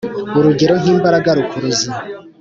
urugero nk ‘imbaraga rukuruzi.